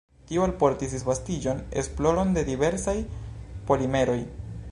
Tio alportis disvastiĝon, esploron de diversaj polimeroj.